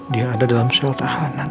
dia ada dalam soal tahanan